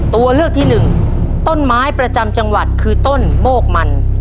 ตัวเลือกที่หนึ่งต้นไม้ประจำจังหวัดคือต้นโมกมัน